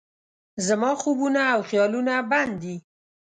زما خوبونه او خیالونه بند دي